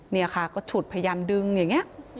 นี่ค่ะก็ฉุดพยายามดึงอย่างนี้